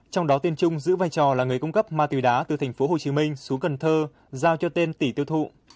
trong đó tiên trung giữ vai trò là người cung cấp ma túy đá từ tp hcm xuống cần thơ giao cho tên tỷ tiêu thụ